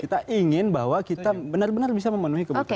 kita ingin bahwa kita benar benar bisa memenuhi kebutuhan